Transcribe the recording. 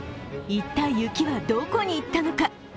一体、雪はどこにいったのか？